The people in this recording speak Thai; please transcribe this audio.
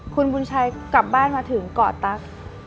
คุณบุญชัยกลับบ้านมาถึงเกาะตั๊ก